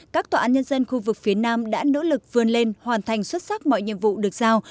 các tòa án nhân dân khu vực phía nam đã nỗ lực vươn lên hoàn thành xuất sắc mọi nhiệm vụ được giao